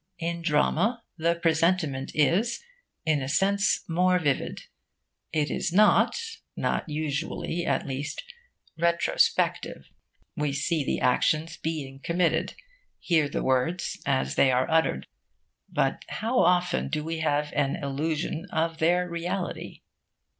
In drama, the presentment is, in a sense, more vivid. It is not not usually, at least retrospective. We see the actions being committed, hear the words as they are uttered. But how often do we have an illusion of their reality?